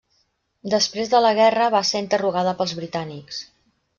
Després de la guerra va ser interrogada pels britànics.